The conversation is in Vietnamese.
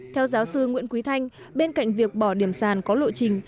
theo giáo sư nguyễn quý thanh bên cạnh việc bỏ điểm sàn có lộ trình